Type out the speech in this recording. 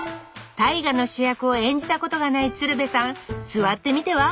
大河の主役を演じたことがない鶴瓶さん座ってみては？